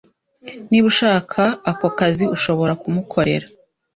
Niba ushaka ako kazi ushobora kumukorera